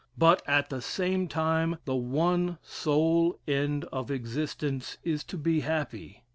But, at the same time, the one sole end of existence is to be happy.